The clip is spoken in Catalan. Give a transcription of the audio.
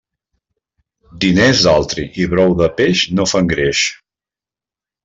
Diners d'altri i brou de peix no fan greix.